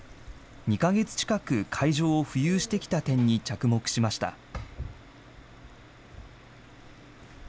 ２か月近く海上を浮遊してきた点に、着目しました。